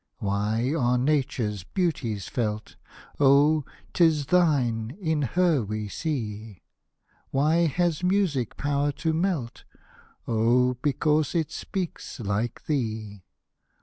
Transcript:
Why are Nature's beauties felt ? Oh ! 'tis thine in her we see ! Why has music power to melt ? Oh I because it speaks like thee.